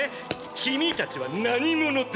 君たちは何者だ？